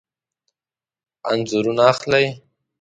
انځورونه اخلئ؟